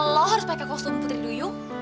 lo harus pakai kostum putri duyung